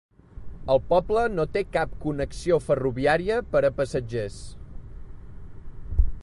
El poble no té cap connexió ferroviària per a passatgers.